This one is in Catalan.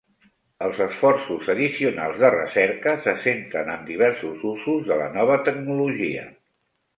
Els esforços addicionals de recerca se centren en diversos usos de la nova tecnologia.